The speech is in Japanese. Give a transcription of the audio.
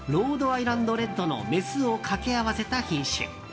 アイランドレッドのメスを掛け合わせた品種。